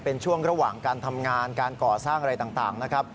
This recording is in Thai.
เป็นช่วงระหว่างการทำงานการก่อสร้างอะไรต่างนะครับ